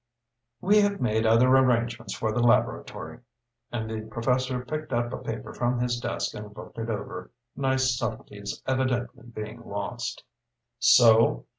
"We have made other arrangements for the laboratory," and the professor picked up a paper from his desk and looked it over, nice subtilties evidently being lost. "So?